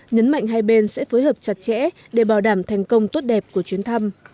nhấn mạnh hai bên sẽ phối hợp chặt chẽ để bảo đảm thành công tốt đẹp của chuyến thăm